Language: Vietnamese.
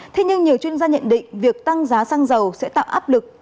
thế nhưng nhiều chuyên gia nhận định việc tăng giá xăng dầu sẽ tạo áp lực